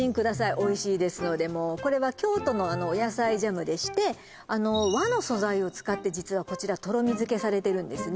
おいしいですのでもうこれは京都のお野菜ジャムでしてあの和の素材を使って実はこちらとろみづけされてるんですね